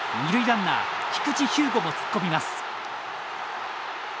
ランナー菊地彪吾も突っ込みます。